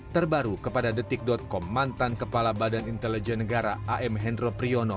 terbaru kepada detik com mantan kepala badan intelijen negara am hendro priyono